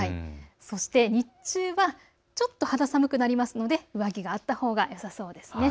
そして日中は、ちょっと肌寒くなりますので上着があったほうがよさそうです。